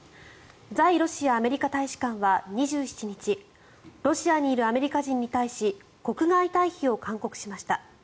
在ロシアアメリカ大使館は２７日ロシアにいるアメリカ人に対し国外退避を勧告しました。